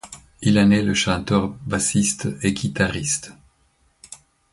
Il en est le chanteur, bassiste et guitariste.